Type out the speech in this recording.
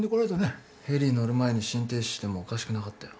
ヘリに乗る前に心停止してもおかしくなかったよ。